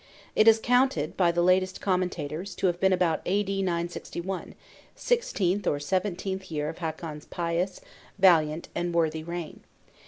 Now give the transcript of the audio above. It is counted, by the latest commentators, to have been about A.D. 961, sixteenth or seventeenth year of Hakon's pious, valiant, and worthy reign.